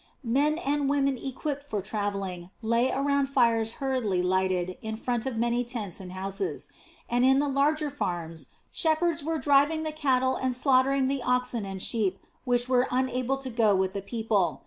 Men and women equipped for travelling lay around fires hurriedly lighted in front of many tents and houses, and in the larger farms shepherds were driving the cattle and slaughtering the oxen and sheep which were unable to go with the people.